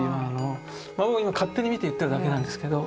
僕は今勝手に見て言ってるだけなんですけど。